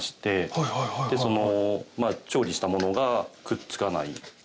調理したものがくっつかない。